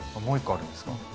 もう一個あるんですか？